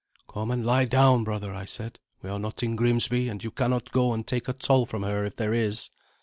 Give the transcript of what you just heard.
"Come and lie down, brother," I said. "We are not in Grimsby, and you cannot go and take toll from her if there is."